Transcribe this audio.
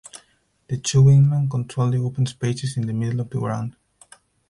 The two wingmen control the open spaces in the middle of the ground.